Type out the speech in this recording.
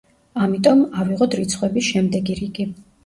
ამიტომ, ავიღოთ რიცხვების შემდეგი რიგი.